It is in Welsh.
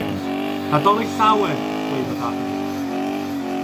"Nadolig Llawen!" gwaeddodd arni.